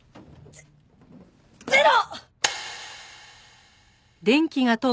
ゼゼロ！